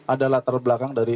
ada latar belakang dari